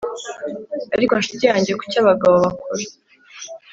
ariko, nshuti yanjye, kuki abagabo bakora